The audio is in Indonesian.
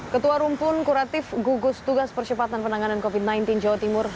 ketua rumpun kuratif gugus tugas percepatan penanganan covid sembilan belas jawa timur